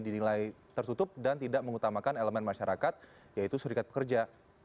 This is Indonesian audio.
dinilai tertutup dan tidak mengutamakan elemen masyarakat yaitu serikat pekerja